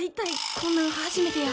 こんなん初めてや。